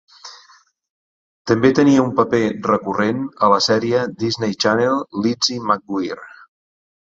També tenia un paper recurrent a la sèrie de Disney Channel "Lizzie McGuire".